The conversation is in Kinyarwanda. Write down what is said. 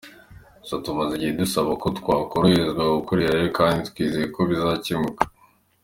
Gusa tumaze igihe dusaba ko twakoroherezwa gukorerayo kandi twizeye ko bizakemuka.